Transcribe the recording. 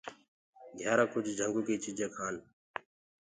گھيآرآ ڪُج جھِنگو ڪي چيجينٚ کآن۔